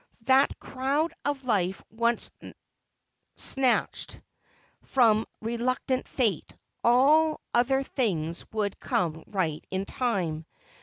That crown of life once snatched from reluctant Fate, all other things would come right in time.